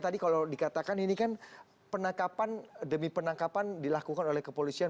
tadi kalau dikatakan ini kan penangkapan demi penangkapan dilakukan oleh kepolisian